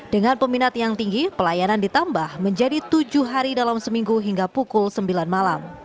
dengan peminat yang tinggi pelayanan ditambah menjadi tujuh hari dalam seminggu hingga pukul sembilan malam